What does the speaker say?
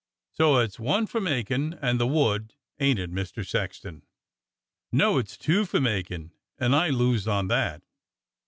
So it's one for makin' and the wood, ain't it. Mister Sexton.?^" "No, it's two for makin', and I lose on that."